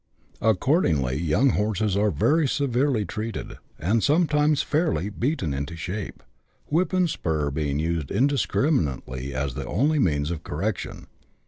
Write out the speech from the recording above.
Accordingly young horses are very severely treated, and sometimes fairly " beaten into shape," whip and spur being used indiscriminately as the only means of correction.